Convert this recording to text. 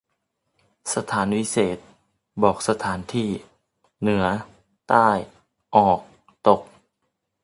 สถานวิเศษณ์ บอกสถานที่ เหนือ ใต้ ออก ตก